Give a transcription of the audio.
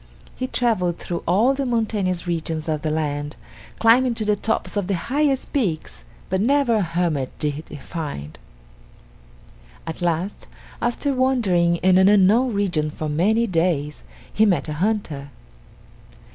He traveled through all the mountainous regions of the land, climbing to the tops of the highest peaks, but never a hermit did he find. At last, after wandering in an unknown region for many days, he met a hunter.